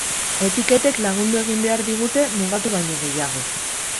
Etiketek lagundu egin behar digute, mugatu baino gehiago.